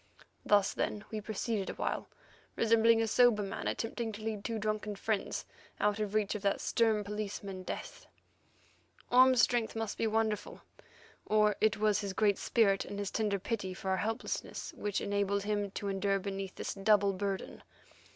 Thus, then, we proceeded awhile, resembling a sober man attempting to lead two drunken friends out of reach of that stern policeman, Death. Orme's strength must be wonderful; or was it his great spirit and his tender pity for our helplessness which enabled him to endure beneath this double burden.